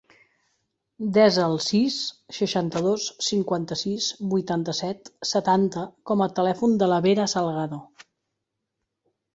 Desa el sis, seixanta-dos, cinquanta-sis, vuitanta-set, setanta com a telèfon de la Vera Salgado.